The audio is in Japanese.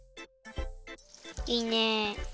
いいね。